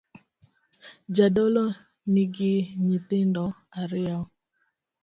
Jadolo nigi nyithindo ariyo